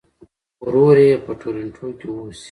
ورور یې په ټورنټو کې اوسي.